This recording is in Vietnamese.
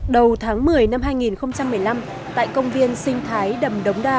đầu tháng một mươi năm hai nghìn một mươi năm tại công viên sinh thái đầm đống đa